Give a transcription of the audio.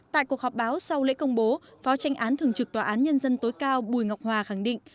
tại cuộc họp báo sau lễ công bố phó tranh án thường trực tòa án nhân dân tối cao bùi ngọc hòa khẳng định